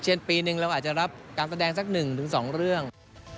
เช่นปีหนึ่งแล้วอาจจะรับการแสดงสักหนึ่งถึงสองเรื่อง